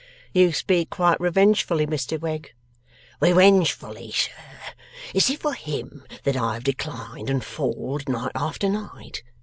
'You speak quite revengefully, Mr Wegg.' 'Revengefully, sir? Is it for him that I have declined and falled, night after night?